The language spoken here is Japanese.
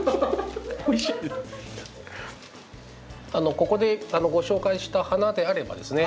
ここでご紹介した花であればですね